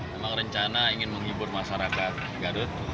memang rencana ingin menghibur masyarakat garut